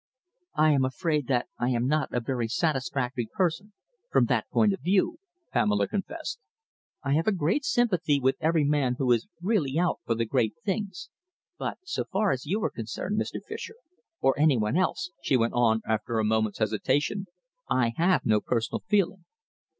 "I am afraid that I am not a very satisfactory person from that point of view," Pamela confessed. "I have a great sympathy with every man who is really out for the great things, but so far as you are concerned, Mr. Fischer, or any one else," she went on, after a moment's hesitation, "I have no personal feeling."